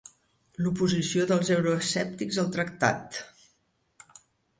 L'oposició dels euroescèptics al tractat.